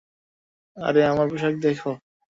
আর আমার পোশাক দেখো।